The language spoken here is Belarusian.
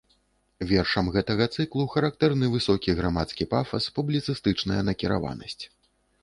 Вершам гэтага цыклу характэрны высокі грамадскі пафас, публіцыстычная накіраванасць.